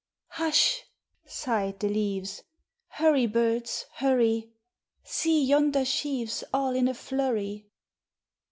"Hush!" sighed the leaves; "Hurry, birds, hurry! See yonder sheaves All in a flurry."